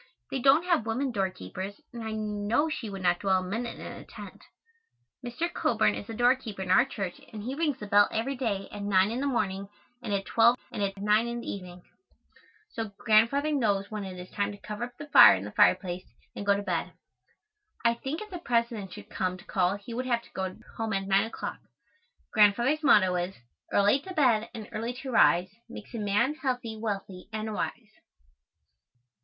They don't have women doorkeepers, and I know she would not dwell a minute in a tent. Mr. Coburn is the doorkeeper in our church and he rings the bell every day at nine in the morning and at twelve and at nine in the evening, so Grandfather knows when it is time to cover up the fire in the fireplace and go to bed. I think if the President should come to call he would have to go home at nine o'clock. Grandfather's motto is: "Early to bed and early to rise Makes a man healthy, wealthy and wise."